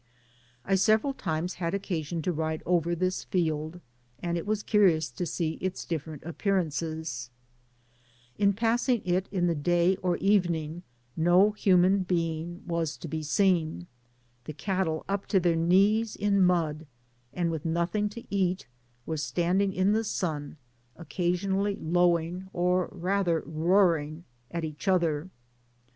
I several times had occasion to ride over this field, and it was curious to observe its.difierent' appearances. In passing it in the day or evening, no human being was to be seen : the cattle, up to their knees in mud, and with nothing to eat, were standing in the sun, occasionally low * Digitized byGoogk 94 toWn 0^ iuEifos AXkfes. ingj 6t i^ather roaring to each other.